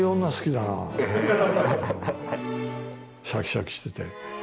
シャキシャキしてて。